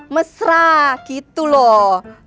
mesra gitu loh